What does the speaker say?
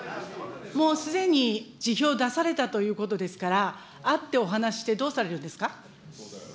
もうすでに辞表を出されたということですから、会ってお話しして、どうされるんですか。